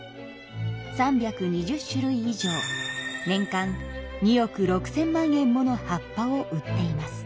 ３２０種類以上年間２億６千万円もの葉っぱを売っています。